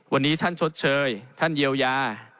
วันนี้ท่านชดเชยท่านเยียวยา